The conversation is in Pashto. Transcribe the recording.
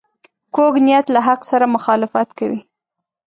کوږ نیت له حق سره مخالفت کوي